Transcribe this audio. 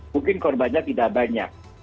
mungkin korbannya tidak banyak